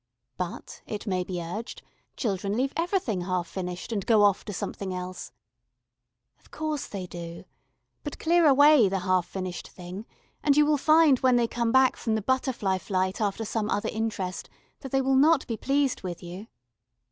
But, it may be urged, children leave everything half finished, and go off to something else. Of course they do but clear away the half finished thing, and you will find when they come back from the butterfly flight after some other interest, that they will not be pleased with you.